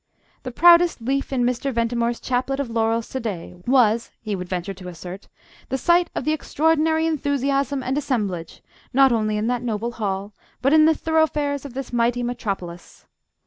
The proudest leaf in Mr. Ventimore's chaplet of laurels to day was, he would venture to assert, the sight of the extraordinary enthusiasm and assemblage, not only in that noble hall, but in the thoroughfares of this mighty Metropolis.